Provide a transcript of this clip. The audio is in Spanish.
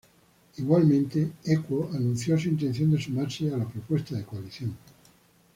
Igualmente anunció su intención de sumarse a la propuesta la coalición Equo.